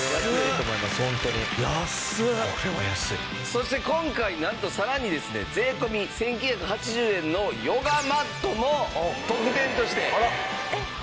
そして今回なんとさらにですね税込１９８０円のヨガマットも特典として付けさせて頂きます。